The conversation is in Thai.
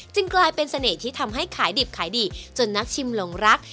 กลายเป็นเสน่ห์ที่ทำให้ขายดิบขายดีจนนักชิมหลงรัก